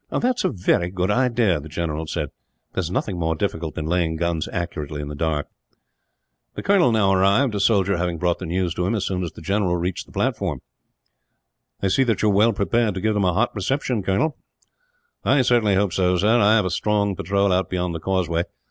"That is a very good idea," the general said. "There is nothing more difficult than laying guns accurately in the dark." The colonel now arrived, a soldier having brought the news to him, as soon as the general reached the platform. "I see that you are well prepared to give them a hot reception, Colonel." "I hope so, sir. I have a strong patrol out beyond the causeway.